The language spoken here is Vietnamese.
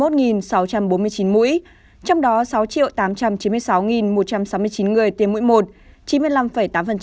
trong đó sáu tám trăm chín mươi sáu một trăm sáu mươi chín người tiêm mũi một chín mươi năm tám